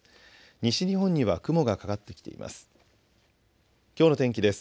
西日本には雲がかかってきています。